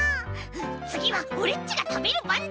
つぎはオレっちがたべるばんだ！